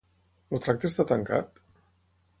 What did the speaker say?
El tracte està tancat?